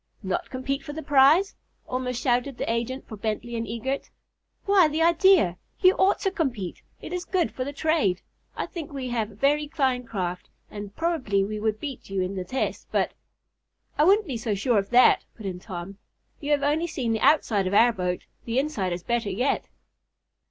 "Not compete for the prize?" almost shouted the agent for Bentley & Eagert. "Why, the idea! You ought to compete. It is good for the trade. We think we have a very fine craft, and probably we would beat you in the tests, but " "I wouldn't be too sure of that," put in Tom. "You have only seen the outside of our boat. The inside is better yet."